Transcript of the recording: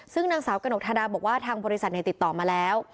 ซึ่งนางสาวกระหนกทาดาบอกว่าทางบริษัทติดต่อมาแล้ว